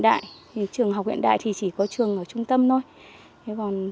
mô hình trường học hiện đại thì chỉ có trường ở trung tâm thôi